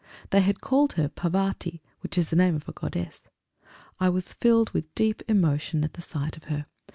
They had called her Parvati, which is the name of a Goddess. I was filled with deep emotion at the sight of her.